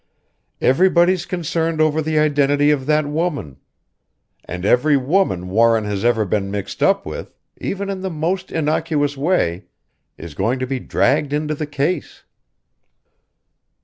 Everybody's concerned over the identity of that woman, and every woman Warren has ever been mixed up with, even in the most innocuous way, is going to be dragged into the case."